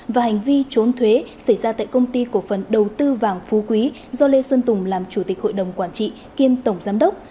và hành vi trốn thuế xảy ra tại công ty cổ phần đầu tư vàng phú quý do lê xuân tùng làm chủ tịch hội đồng quản trị kiêm tổng giám đốc